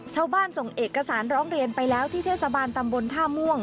ส่งเอกสารร้องเรียนไปแล้วที่เทศบาลตำบลท่าม่วง